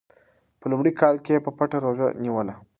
په لومړي کال کې یې په پټه روژه نیوله.